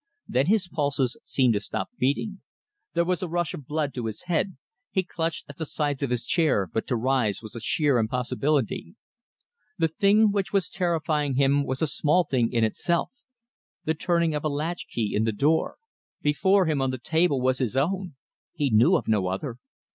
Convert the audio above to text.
Then his pulses seemed to stop beating. There was a rush of blood to his head. He clutched at the sides of his chair, but to rise was a sheer impossibility. The thing which was terrifying him was a small thing in itself the turning of a latch key in the door. Before him on the table was his own he knew of no other.